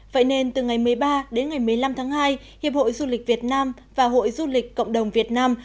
vậy nên từ ngày một mươi ba đến ngày một mươi năm tháng hai hiệp hội du lịch việt nam và hội du lịch cộng đồng việt nam